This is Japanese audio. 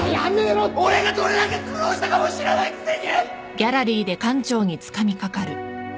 俺がどれだけ苦労したかも知らないくせに！